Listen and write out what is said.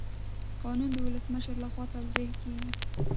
قانون د ولسمشر لخوا توشیح کیږي.